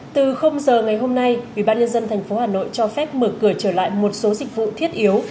từ giờ ngày hôm nay ủy ban nhân dân tp hà nội cho phép mở cửa trở lại một số dịch vụ thiết yếu